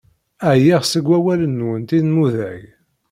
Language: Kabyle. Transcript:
Ɛyiɣ seg wawalen-nwent inmudag.